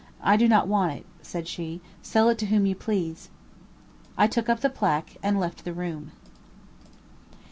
"I do not want it;" said she, "sell it to whom you please." I took up the placque and left the room.